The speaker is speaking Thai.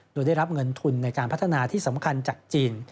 โดยได้รับเงินทุนในการพัฒนาที่สำคัญจากจีน